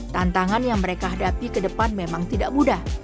tantangan yang mereka hadapi ke depan memang tidak mudah